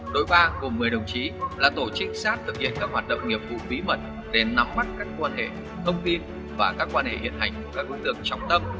đội ba gồm một mươi đồng chí là tổ trinh sát thực hiện các hoạt động nghiệp vụ bí mật để nắm mắt các quan hệ thông tin và các quan hệ hiện hành của các đối tượng trọng tâm